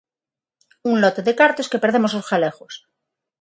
Un lote de cartos que perdemos os galegos.